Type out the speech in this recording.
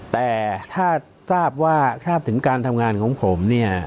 แต่ถ้าทราบถึงการทำงานของผม